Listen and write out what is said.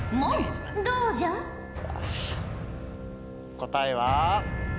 答えは。